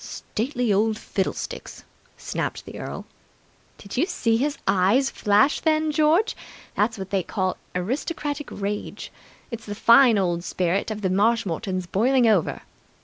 "Stately old fiddlesticks!" snapped the earl. "Did you see his eyes flash then, George? That's what they call aristocratic rage. It's the fine old spirit of the Marshmoretons boiling over."